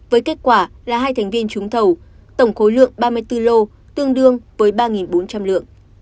với kết quả là hai thành viên trúng thầu tổng khối lượng ba mươi bốn lô tương đương với ba bốn trăm linh lượng